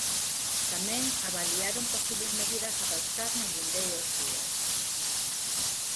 Tamén avaliaron posibles medidas a adoptar nos vindeiros días.